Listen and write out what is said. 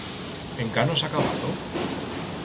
Encá no has acabato?